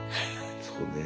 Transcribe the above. そうね。